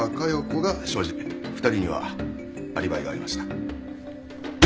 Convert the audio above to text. ２人にはアリバイがありました。